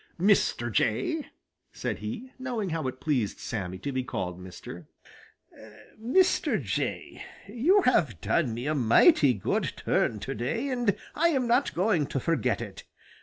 "Mr. Jay," said he, knowing how it pleased Sammy to be called mister, "Mr. Jay, you have done me a mighty good turn to day, and I am not going to forget it.